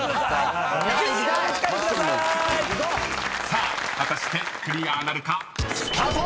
［さあ果たしてクリアなるか。スタート！］